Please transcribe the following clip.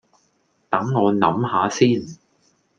等我諗吓先